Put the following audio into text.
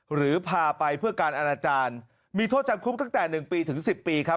หรือพาไปเพื่อการอนาจารย์มีโทษจำคุกตั้งแต่๑ปีถึง๑๐ปีครับ